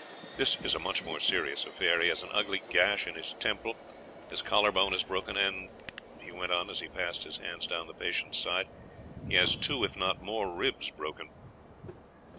This is a much more serious affair; he has an ugly gash in his temple, his collarbone is broken, and," he went on, as he passed his hands down the patient's side, "he has two, if not more ribs broken."